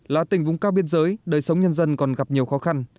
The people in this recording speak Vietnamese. là tỉnh vùng cao biên giới đời sống nhân dân còn gặp nhiều khó khăn